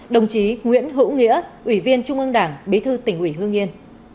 đồng chí nguyễn hữu nghĩa ủy viên trung ương đảng bí thư tỉnh ủy hương yên